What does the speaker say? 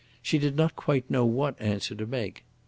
She did not quite know what answer to make.